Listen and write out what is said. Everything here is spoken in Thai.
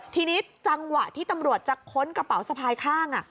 ทีนี้จังหวะที่ตำรวจจะค้นกระเป๋าสะพายข้าง